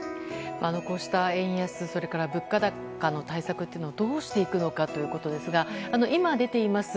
こうした円安それから物価高の対策をどうしていくのかということですが今出ています